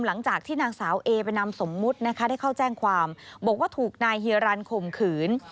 หลังจากที่นางสาวเอเป็นนามสมมุตินะคะได้เข้าแจ้งความบอกว่าถูกนายเฮียรันข่มขืน